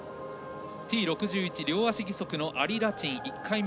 Ｔ６１、両足義足のアリ・ラチン。